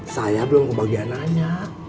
saya belum kebagian nanya